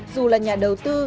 dù là nhà đầu tư